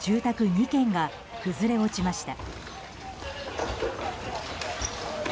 ２軒が崩れ落ちました。